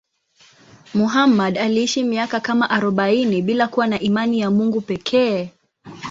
Muhammad aliishi miaka kama arobaini bila kuwa na imani ya Mungu pekee.